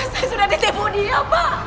saya sudah ketemu dia pak